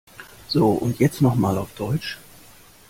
So und jetzt noch mal auf Deutsch.